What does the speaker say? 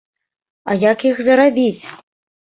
А як іх зарабіць?